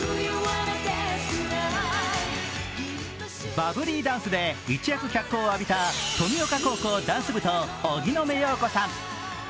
バブリーダンスで一躍脚光を浴びた登美丘高校ダンス部と荻野目洋子さん。